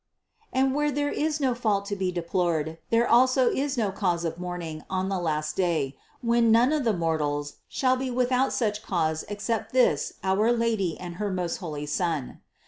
And where there is no fault to be deplored, there also is no cause of mourning on the last day, when none of the mortals shall be without such cause except this our Lady and her most holy Son.